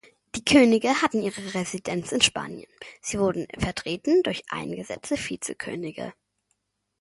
Die Könige hatten ihre Residenz in Spanien, sie wurden vertreten durch eingesetzte Vizekönige.